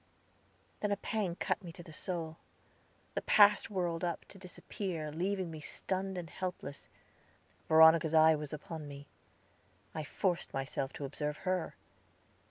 Then a pang cut me to the soul. The past whirled up, to disappear, leaving me stunned and helpless. Veronica's eye was upon me. I forced myself to observe her.